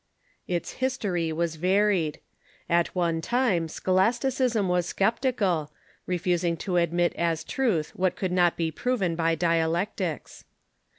Its history was varied. At one time scholasticism was scep tical, refusing to admit as truth what could not be proven by dialectics.